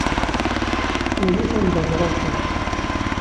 Ulac anda i ẓṛiɣ Tom.